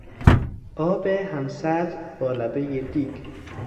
آب همسطح با لبهی دیگ